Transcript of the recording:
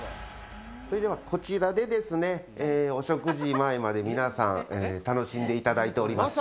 それではこちらでですね、お食事前まで皆さん、楽しんでいただいております。